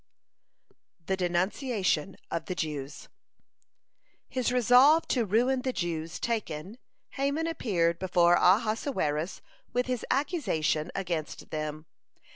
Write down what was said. (111) THE DENUNCIATION OF THE JEWS His resolve to ruin the Jews taken, Haman appeared before Ahasuerus with his accusation against them.